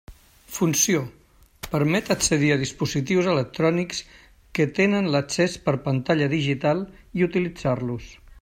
Funció: permet accedir a dispositius electrònics que tenen l'accés per pantalla digital i utilitzar-los.